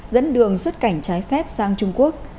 dẫn đường xuất cảnh trái phép sang trung quốc